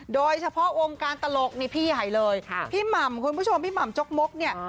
โดยเฉพาะวงการตลกนี่พี่ใหญ่เลยพี่หม่ำคุณผู้ชมพี่หม่ำจกมกเนี่ย